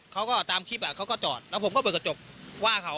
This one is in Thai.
เขาก็ตามคลิปเขาก็จอดแล้วผมก็เปิดกระจกว่าเขา